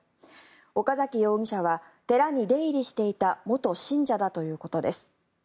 岡崎容疑者は寺に出入りしていた元信者だということです。